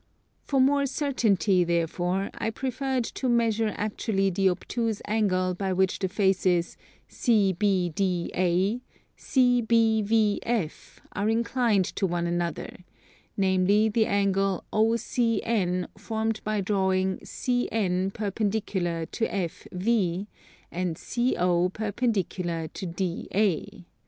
For more certainty, therefore, I preferred to measure actually the obtuse angle by which the faces CBDA, CBVF, are inclined to one another, namely the angle OCN formed by drawing CN perpendicular to FV, and CO perpendicular to DA.